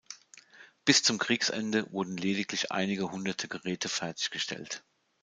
Bis zum Kriegsende wurden lediglich einige hundert Geräte fertiggestellt.